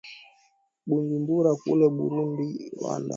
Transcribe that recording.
bujumbura kule burundi rwanda